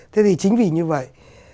thế thì chính vì như vậy